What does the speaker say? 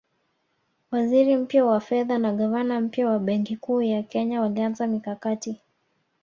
Waziri mpya wa fedha na gavana mpya wa Benki Kuu ya Kenya walianza mikakati